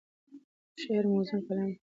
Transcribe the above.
شعر موزون کلام دی.